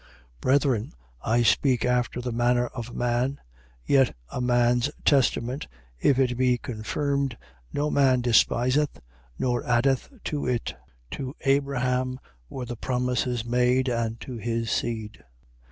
3:15. Brethren (I speak after the manner of man), yet a man's testament, if it be confirmed, no man despiseth nor addeth to it. 3:16. To Abraham were the promises made and to his seed.